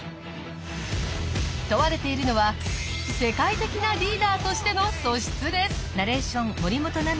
問われているのは世界的なリーダーとしての素質です。